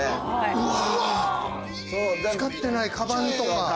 うわ！